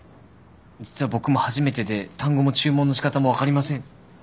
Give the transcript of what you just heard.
実は僕も初めてで単語も注文の仕方も分かりません。